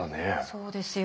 そうですよね。